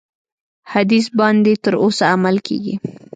حدیث باندي تر اوسه عمل کیږي.